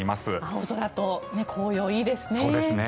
青空と紅葉いいですね。